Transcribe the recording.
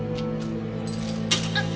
あっ！